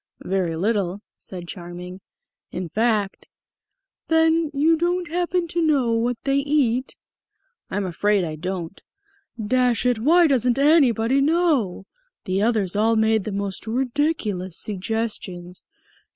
"Very little," said Charming. "In fact " "Then you don't happen to know what they eat?" "I'm afraid I don't." "Dash it, why doesn't anybody know? The others all made the most ridiculous suggestions.